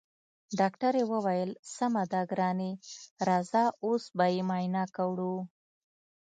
ډاکټرې وويل سمه ده ګرانې راځه اوس به يې معاينه کړو.